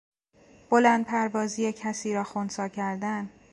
بلند پروازی کسی را خنثی کردن